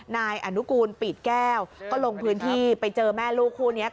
นายอนุกูลปีดแก้วก็ลงพื้นที่ไปเจอแม่ลูกคู่นี้